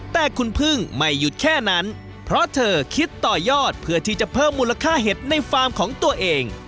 แต่คุณพึ่งไม่หยุดแค่นั้น